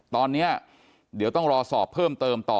ตอนนี้เดี๋ยวต้องรอสอบเพิ่มเติมต่อ